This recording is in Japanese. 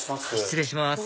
失礼します